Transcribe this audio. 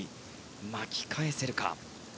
巻き返せるか。